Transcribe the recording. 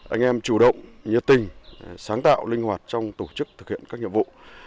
anh em chủ động nhiệt tình sáng tạo linh hoạt trong tổ chức thực hiện các nhiệm vụ